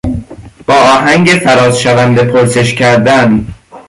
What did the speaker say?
با آهنگ فرازشونده پرسش کردن